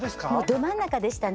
ど真ん中でしたね。